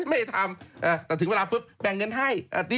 ไม่ได้ทำแต่ถึงเวลาปุ๊บแบ่งเงินให้